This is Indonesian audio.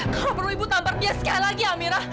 kalau perlu ibu tampar dia sekali lagi amira